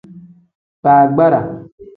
Baagbara.